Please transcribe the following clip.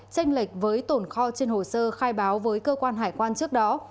tranh lệch với tồn kho trên hồ sơ khai báo với cơ quan hải quan trước đó